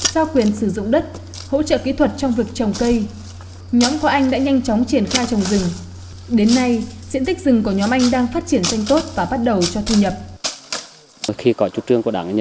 giao quyền sử dụng đất hỗ trợ kỹ thuật trong việc trồng cây